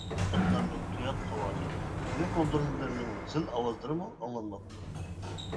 ئاتلارنىڭ تۇياق ئاۋازى، تۆگە كولدۇرمىلىرىنىڭ زىل ئاۋازلىرىمۇ ئاڭلانماپتۇ.